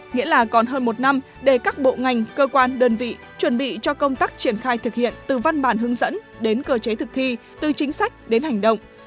nghĩa là còn hơn một năm để các bộ ngành cơ quan đơn vị chuẩn bị cho công tác triển khai thực hiện từ văn bản hướng dẫn đến cơ chế thực thi từ chính sách đến hành động